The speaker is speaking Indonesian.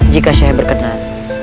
jika syekh berkenan